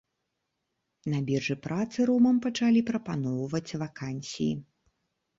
На біржы працы ромам пачалі прапаноўваць вакансіі.